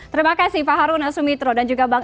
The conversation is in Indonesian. terima kasih pak haruna sumitro dan juga bang